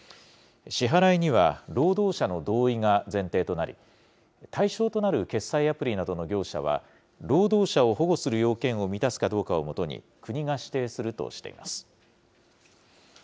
支払いには労働者の同意が前提となり、対象となる決済アプリなどの業者は、労働者を保護する要件を満たすかどうかをもとに、国が指定するとしています。